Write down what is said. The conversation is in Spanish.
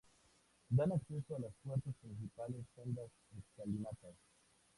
Dan acceso a las puertas principales sendas escalinatas.